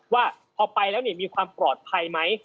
ว่าพอไปแล้วมีความปลอดภัยไหม